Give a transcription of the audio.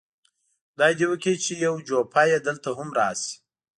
خدای دې وکړي چې یو جوپه یې دلته هم راشي.